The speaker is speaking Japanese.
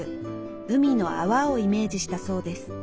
海の泡をイメージしたそうです。